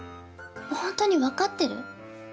ホントに分かってる？